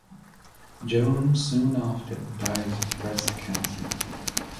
Joan soon after dies of breast cancer.